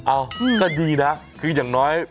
อ้าวก็ดีนะคืออย่างน้อย